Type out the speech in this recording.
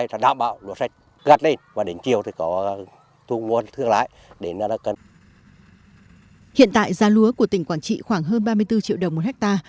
hiện tại giá lúa của tỉnh quảng trị khoảng hơn ba mươi bốn triệu đồng một ha